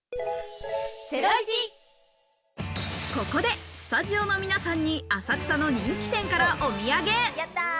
ここでスタジオの皆さんに浅草の人気店からお土産。